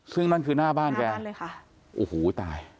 ซึ่งนั่นคือหน้าบ้านแกโอ้โหตาย